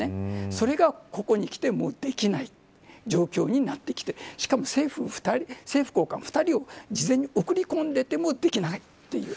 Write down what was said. それがここにきて、もうできない状況になってきてしかも政府高官２人を事前に送り込んでいてもできないという。